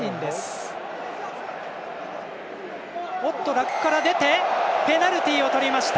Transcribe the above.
ラックから出てペナルティをとりました。